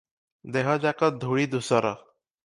ଦେହଯାକ ଧୂଳିଧୂସର ।